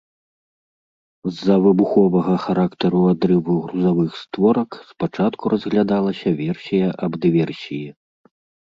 З-за выбуховага характару адрыву грузавых створак спачатку разглядалася версія аб дыверсіі.